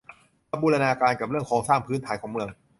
มาบูรณาการกับเรื่องโครงสร้างพื้นฐานของเมือง